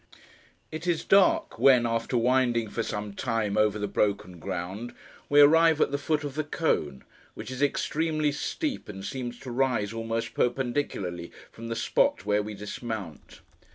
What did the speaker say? It is dark, when after winding, for some time, over the broken ground, we arrive at the foot of the cone: which is extremely steep, and seems to rise, almost perpendicularly, from the spot where we dismount.